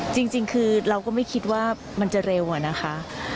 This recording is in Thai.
จริงคือเราก็ไม่คิดว่ามันจะเร็วอะนะคะ